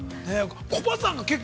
コバさんは結構。